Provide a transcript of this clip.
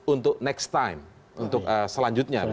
untuk next time untuk selanjutnya